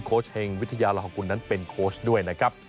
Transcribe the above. เฮงวิทยาลหกุลนั้นเป็นโค้ชด้วยนะครับ